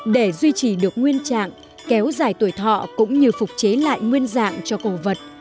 để duy trì được nguyên trạng kéo dài tuổi thọ cũng như phục chế lại nguyên dạng cho cổ vật